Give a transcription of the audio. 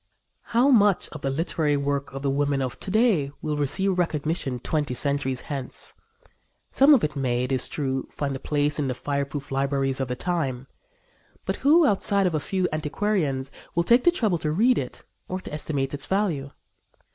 How much of the literary work of the women of to day will receive recognition twenty centuries hence? Some of it may, it is true, find a place in the fireproof libraries of the time; but who, outside of a few antiquarians, will take the trouble to read it or estimate its value?